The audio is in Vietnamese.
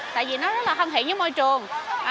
tại vì nó rất là thân thiện với môi trường